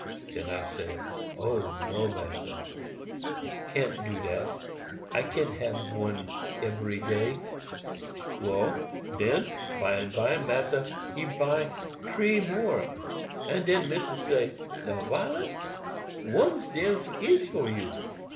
Den I say, 'O, no, Massa! I can't do dat—I can't hab one ebery day.' Well, den, by and by, Massa he buy tree more, and den Missis say, 'Now, Violet, ones dem is for you.